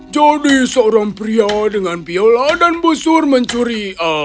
jadi seorang pria dengan biola dan busur mencuri